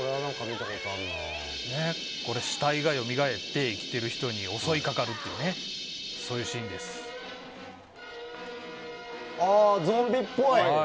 死体がよみがえって生きている人に襲いかかるというゾンビっぽい！